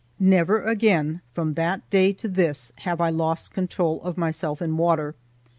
Never again from that day to this have I lost control of myself in water.